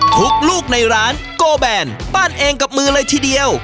ลูกในร้านโกแบนปั้นเองกับมือเลยทีเดียว